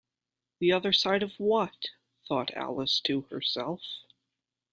The other side of what?’ thought Alice to herself.